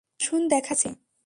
আসুন, দেখাচ্ছি।